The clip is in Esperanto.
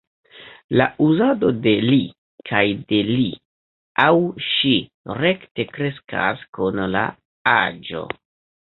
La uzado de ”li” kaj de ”li aŭ ŝi” rekte kreskas kun la aĝo.